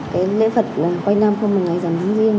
cái lễ phật quanh năm không bằng ngày giảm tháng riêng